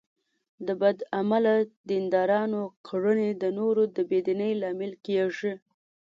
د بد عمله دیندارانو کړنې د نورو د بې دینۍ لامل کېږي.